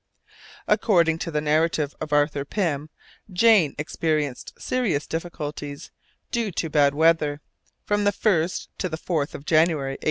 According to the narrative of Arthur Pym, the Jane experienced serious difficulties, due to bad weather, from the 1st to the 4th of January, 1828.